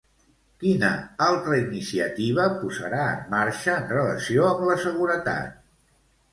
Quina altra iniciativa posarà en marxa en relació amb la seguretat?